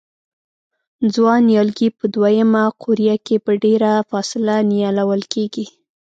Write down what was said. ځوان نیالګي په دوه یمه قوریه کې په ډېره فاصله نیالول کېږي.